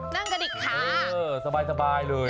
นั่งกระดิกขาสบายเลย